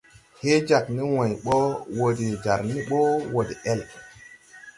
Hee jāg ne wãy bɔ wɔ de jar ni bo wo deʼel.